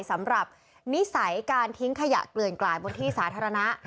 สำหรับนิสัยการทิ้งขยะเกลื่อนกลายบนที่สาธารณะ